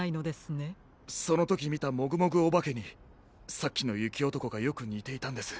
そのときみたもぐもぐおばけにさっきのゆきおとこがよくにていたんです。